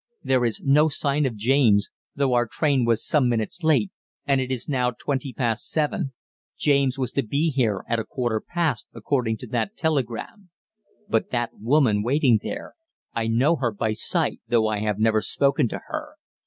There is no sign of James, though our train was some minutes late and it is now twenty past seven James was to be here at a quarter past, according to that telegram. But that woman waiting there I know her by sight though I have never spoken to her.